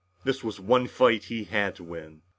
This was one fight he had to win.